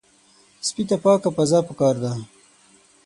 سپي ته پاکه فضا پکار ده.